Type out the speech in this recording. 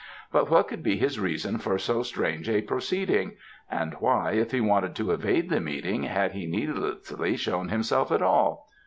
But what could be his reason for so strange a proceeding, and why, if he wanted to evade the meeting, had he needlessly shown himself at all?